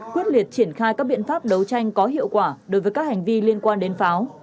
quyết liệt triển khai các biện pháp đấu tranh có hiệu quả đối với các hành vi liên quan đến pháo